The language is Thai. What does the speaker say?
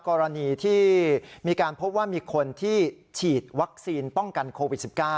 กรณีที่มีการพบว่ามีคนที่ฉีดวัคซีนป้องกันโควิด๑๙